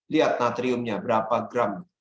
lihat natriumnya berapa gram